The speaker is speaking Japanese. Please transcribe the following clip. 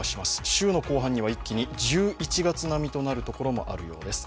週の後半には一気に１１月並みとなるところもあるようです。